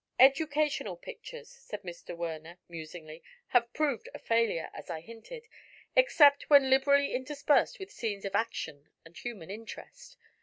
"Educational pictures," said Mr. Werner, musingly, "have proved a failure, as I hinted, except when liberally interspersed with scenes of action and human interest.